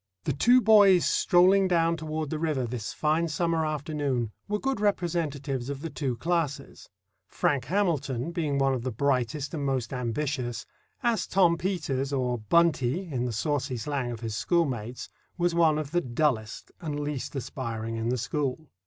The two boys strolling down toward the river this fine summer afternoon were good representatives of the two classes—Frank Hamilton being one of the brightest and most ambitious, as Tom Peters, or "Buntie" in the saucy slang of his schoolmates, was one of the dullest and least aspiring in the school.